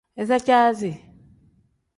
Iza caasi.